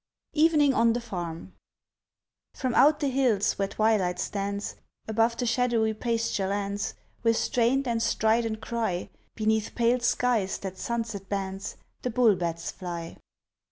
EVENING ON THE FARM From out the hills, where twilight stands, Above the shadowy pasture lands, With strained and strident cry, Beneath pale skies that sunset bands, The bull bats fly.